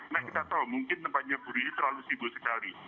nah kita tahu mungkin tempatnya burini terlalu sibuk sekali